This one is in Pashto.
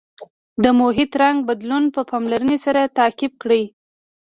د محیط رنګ بدلون په پاملرنې سره تعقیب کړئ.